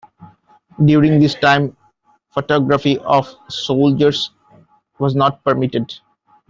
During this time, photography of soldiers was not permitted.